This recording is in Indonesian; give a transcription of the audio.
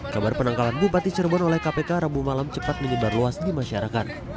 kabar penangkalan bupati cirebon oleh kpk rabu malam cepat menyebar luas di masyarakat